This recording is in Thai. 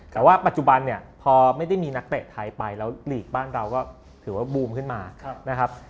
แต่ว่าปัจจุบันเนี่ยพอไม่ได้มีนักเตะไทยไปแล้วหลีกบ้านเราก็ถือว่าบูมขึ้นมานะครับ